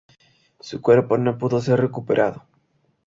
Su cuerpo no pudo ser recuperado.